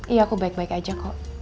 iya aku baik baik aja kok